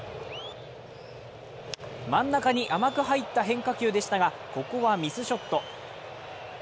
真ん中に甘く入った変化球でしたが、ここはミスショット。